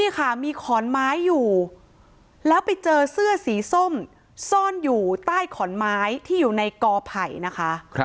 นี่ค่ะมีขอนไม้อยู่แล้วไปเจอเสื้อสีส้มซ่อนอยู่ใต้ขอนไม้ที่อยู่ในกอไผ่นะคะ